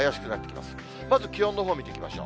まず気温のほう見ていきましょう。